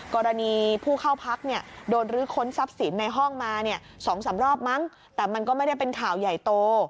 กรณีผู้เข้าพักเนี่ยโดนรื้อค้นทรัพย์สินในห้องมาเนี่ย๒๓รอบมั้งแต่มันก็ไม่ได้เป็นข่าวใหญ่โต